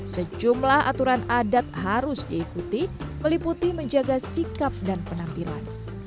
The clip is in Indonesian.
sejumlah aturan adat harus diikuti meliputi menjaga sikap dan penampilan